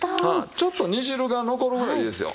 ちょっと煮汁が残るぐらいでいいですよ。